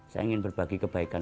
saya ingin berbagi kebaikan